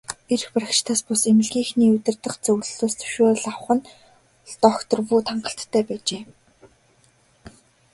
Эрх баригчдаас бус, эмнэлгийнхээ удирдах зөвлөлөөс зөвшөөрөл авах нь л доктор Вүд хангалттай байжээ.